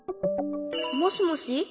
もしもし？